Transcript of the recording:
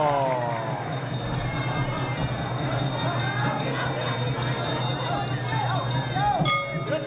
โอเค